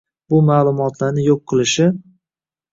bu ma’lumotlarni yo‘q qilishi;